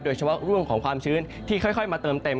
โดยเฉพาะเรื่องของความชื้นที่ค่อยมาเติมเต็ม